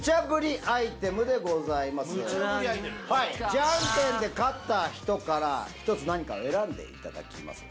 ジャンケンで勝った人から１つ何かを選んでいただきます。